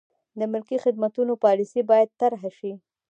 د ملکي خدمتونو پالیسي باید طرحه شي.